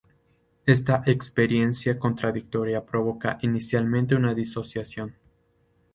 Esta experiencia contradictoria provoca inicialmente una disociación.